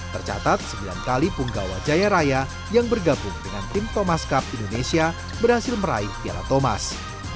tercatat sembilan kali punggawa jaya raya yang bergabung dengan tim thomas cup indonesia berhasil meraih piala thomas